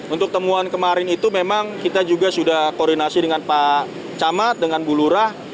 untuk temuan kemarin itu memang kita juga sudah koordinasi dengan pak camat dengan bu lurah